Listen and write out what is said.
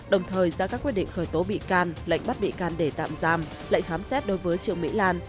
đồng thời ra các quyết định khởi tố bị can lệnh bắt bị can để tạm giam lệnh khám xét đối với trương mỹ lan